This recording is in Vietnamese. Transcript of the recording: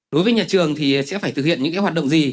đối với nhà trường thì sẽ phải thực hiện những hoạt động gì